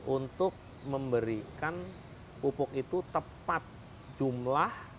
untuk memberikan pupuk itu tepat jumlah